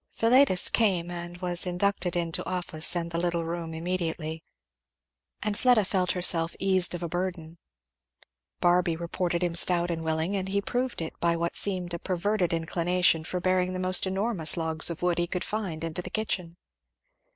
Philetus came, and was inducted into office and the little room immediately; and Fleda felt herself eased of a burden. Barby reported him stout and willing, and he proved it by what seemed a perverted inclination for bearing the most enormous logs of wood he could find into the kitchen.